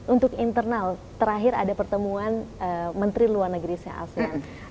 untuk internal terakhir ada pertemuan menteri luar negeri sea asean